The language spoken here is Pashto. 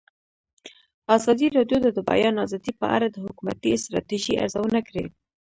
ازادي راډیو د د بیان آزادي په اړه د حکومتي ستراتیژۍ ارزونه کړې.